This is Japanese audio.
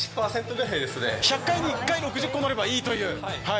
１００回に１回、６０個乗ればいいという。